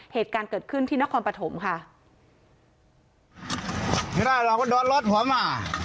เหตุการณ์เกิดขึ้นที่นครปฐมค่ะ